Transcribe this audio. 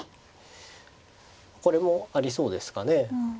これもありそうですかね。